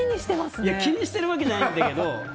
気にしてるわけじゃないんだけど。